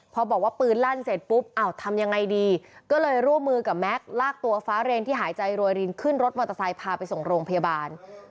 พอบอกว่าปืนลั่นเสร็จปุ๊บทำยังไงดีก็เลยร่วมมือกับแม็กซ์ลากตัวฟ้าเรนที่หายใจรวยรินขึ้นรถมอเตอร์ไซค์พาไปส่งโรงพยาบาล